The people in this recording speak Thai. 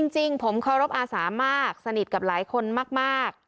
จริงผมเคารพอาสามากสนิทกับหลายคนมาก